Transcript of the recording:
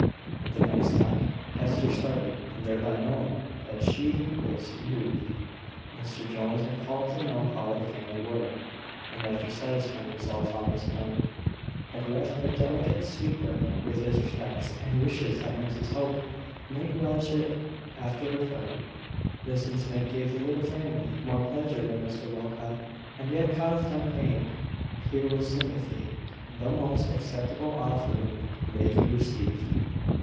At the next knock, Hester started, thereby showing that she was moved. Mr Jones had called to know how the family were; and, after satisfying himself on this point, had left a delicate sweetbread, with his respects, and wishes that Mrs Hope might relish it after her fright. This incident gave the little family more pleasure than Mr Walcot had yet caused them pain. Here was sympathy, the most acceptable offering they could receive.